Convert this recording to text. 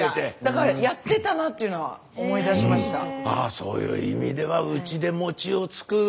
そういう意味ではうちで餅をつくおうちも。